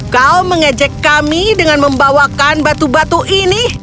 kau mengejek kami dengan membawakan batu batu ini